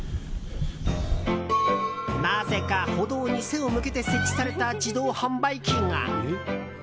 なぜか歩道に背を向けて設置された自動販売機が。